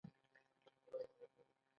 د هګیو تولیدات بسنه کوي؟